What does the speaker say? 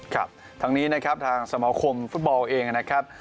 ครับทั้งนี้นะครับทางสมาคมฟุตบอลเองนะครับ